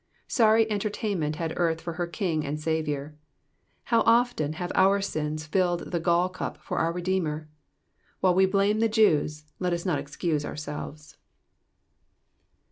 Sorry entertainment had earth for her King and Saviour. How often have our sins filled the gall cup for our Redeemer ? While we blame the Jews, let us not excuse ourselves.